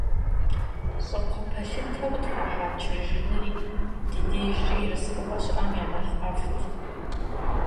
ЩӀакхъуэ пэлъытэу къытхуахьа чыржынри ди дежкӀэ ерыскъыуэ щыӀэм я нэхъ ӀэфӀт.